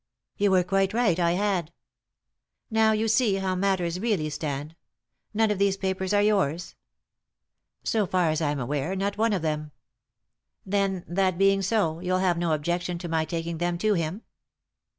" You were quite right, I had." " Now you see how matters really stand. None of these papers are yours ?" "So far as I'm aware, not one of them." "Then, that being so, you'll have no objection to my taking them to him